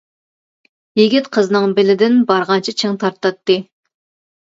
يىگىت قىزنىڭ بېلىدىن بارغانچە چىڭ تارتاتتى.